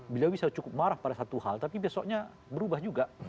beliau bisa cukup marah pada satu hal tapi besoknya berubah juga